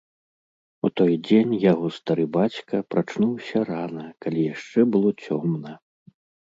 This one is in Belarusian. У той дзень яго стары бацька прачнуўся рана, калі яшчэ было цёмна.